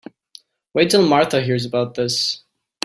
Wait till Martha hears about this.